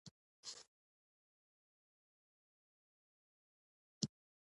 د ګاونډي سره مرسته د ټولنې اصلاح ده